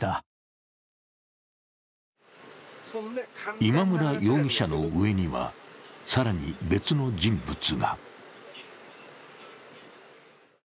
今村容疑者の上には、更に別の人物が。